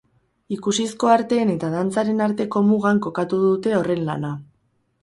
Ikusizko arteen eta dantzaren arteko mugan kokatu dute horren lana.